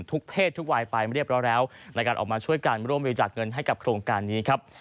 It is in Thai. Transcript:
ทุกเทศทุกไวไปแล้วเรียบร้อยแล้วในการออกมาช่วยกันมาร่วมแบบจัดเงินให้กับโครงการนี้ครับ